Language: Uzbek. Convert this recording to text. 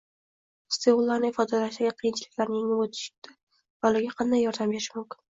His-tuyg‘ularini ifodalashdagi qiyinchiliklarni yengib o‘tishda bolaga qanday yordam berish mumkin?